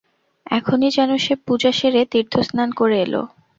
এখনই যেন সে পূজা সেরে তীর্থস্নান করে এল।